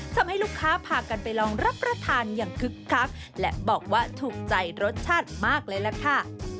ทำให้ลูกค้าพากันไปลองรับประทานอย่างคึกคักและบอกว่าถูกใจรสชาติมากเลยล่ะค่ะ